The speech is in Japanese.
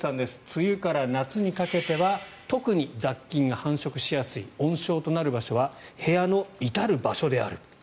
梅雨から夏にかけては特に雑菌が繁殖しやすい温床となる場所は部屋の至る場所であると。